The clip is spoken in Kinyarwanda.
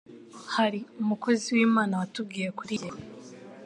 hari Umukozi w'Imana watubwiye kuri iyi ngingo